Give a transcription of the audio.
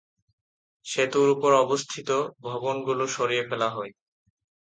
সেতুর উপর অবস্থিত ভবনগুলো সরিয়ে ফেলা হয়।